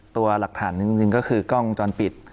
ตัวหลักฐานหนึ่งก็คือกล้องจอนปิด